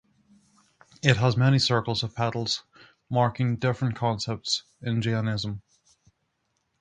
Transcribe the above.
It has many circles of petals marking different concepts in Jainism.